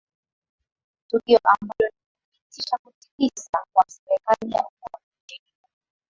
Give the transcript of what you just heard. tukio ambalo linathibitisha kutikisika kwa serikali ya umoja nchini humo